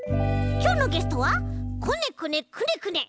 きょうのゲストはこねこねくねくね。